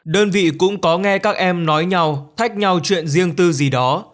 đơn vị cũng có nghe các em nói nhau thách nhau chuyện riêng tư gì đó